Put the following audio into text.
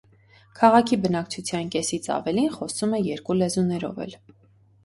Քաղաքի բնակչության կեսից ավելին խոսում է երկու լեզուներով էլ։